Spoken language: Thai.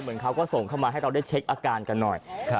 เขาก็ส่งเข้ามาให้เราได้เช็คอาการกันหน่อย